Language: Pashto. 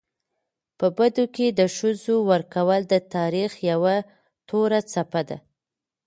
په بدو کي د ښځو ورکول د تاریخ یوه توره څپه ده.